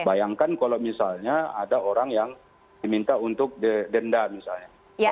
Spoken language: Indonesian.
bayangkan kalau misalnya ada orang yang diminta untuk denda misalnya